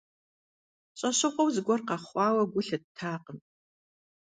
ЩӀэщыгъуэу зыгуэр къэхъуауэ гу лъыттакъым.